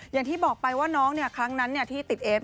อย่างที่บอกไปว่าน้องครั้งนั้นที่ติดเอฟ